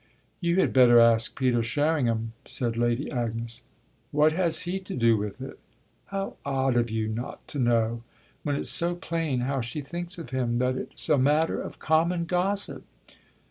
"You had better ask Peter Sherringham," said Lady Agnes. "What has he to do with it?" "How odd of you not to know when it's so plain how she thinks of him that it's a matter of common gossip."